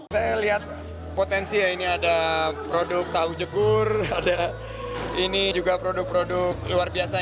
saya lihat potensi ya ini ada produk tahu jegur ada ini juga produk produk luar biasa